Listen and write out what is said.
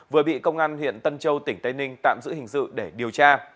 vừa bị công an huyện tân châu tỉnh tây ninh tạm giữ hình sự để điều tra